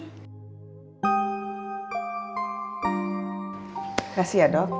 terima kasih ya dok